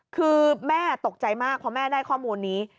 คือแม่ตกใจมากเพราะแม่ได้ข้อมูลนี้